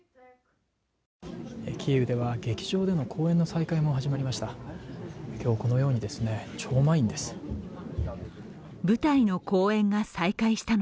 キーウでは劇場での公演の再開も始まりました。